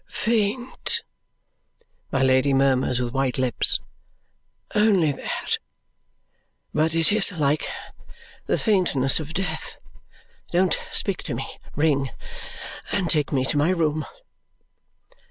"Faint," my Lady murmurs with white lips, "only that; but it is like the faintness of death. Don't speak to me. Ring, and take me to my room!"